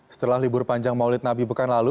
setelah libur panjang maulid nabi pekan lalu